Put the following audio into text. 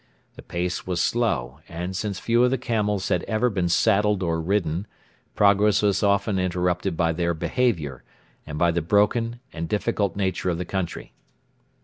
The pace was slow, and, since few of the camels had ever been saddled or ridden, progress was often interrupted by their behaviour and by the broken and difficult nature of the country.